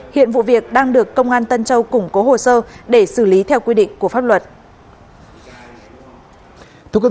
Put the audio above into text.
hiện vụ việc đang được công an tân châu củng cố hồ sơ để xử lý theo quy định của pháp luật